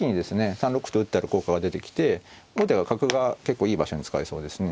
３六歩と打ってある効果が出てきて後手が角が結構いい場所に使えそうですね。